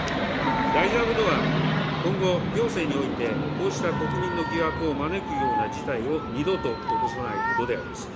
大事なことは、今後、行政においてこうした国民の疑惑を招くような事態を二度と起こさないことであります。